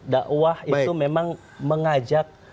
dakwah itu memang mengajak